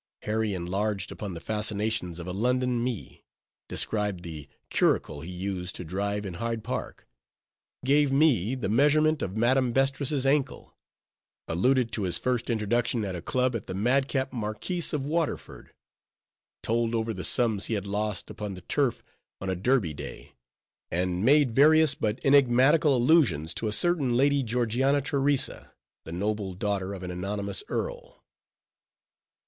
Harry enlarged upon the fascinations of a London life; described the curricle he used to drive in Hyde Park; gave me the measurement of Madame Vestris' ankle; alluded to his first introduction at a club to the madcap Marquis of Waterford; told over the sums he had lost upon the turf on a Derby day; and made various but enigmatical allusions to a certain Lady Georgiana Theresa, the noble daughter of an anonymous earl.